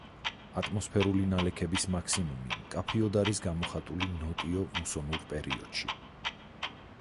ატმოსფერული ნალექების მაქსიმუმი მკაფიოდ არის გამოხატული ნოტიო მუსონურ პერიოდში.